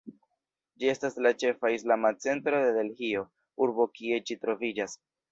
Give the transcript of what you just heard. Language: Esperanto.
Ĝi estas la ĉefa islama centro de Delhio, urbo kie ĝi troviĝas.